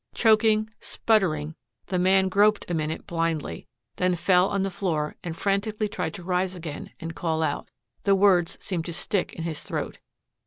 Choking, sputtering, the man groped a minute blindly, then fell on the floor and frantically tried to rise again and call out. The words seemed to stick in his throat.